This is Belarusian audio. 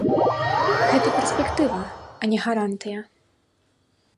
Гэта перспектыва, а не гарантыя.